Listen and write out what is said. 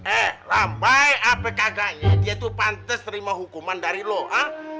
eh lambai apa kakaknya dia tuh pantas terima hukuman dari lu ha